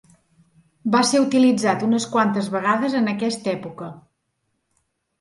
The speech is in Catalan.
Va ser utilitzat unes quantes vegades en aquesta època.